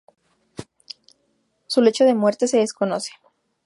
Su lecho de muerte de desconoce.